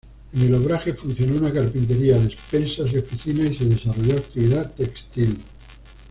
En el obraje funcionó una carpintería, despensas y oficinas, y se desarrolló actividad textil.